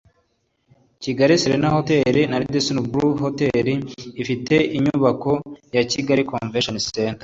Kigali Serena Hotel na Radisson Blu Hotel ifite inyubako ya Kigali Convention Center